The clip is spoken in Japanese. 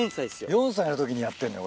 ４歳の時にやってんだよ